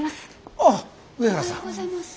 あっ上原さん。おはようございます。